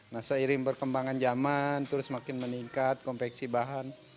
nah seiring perkembangan zaman terus makin meningkat konveksi bahan